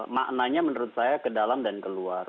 maknanya menurut saya ke dalam dan ke luar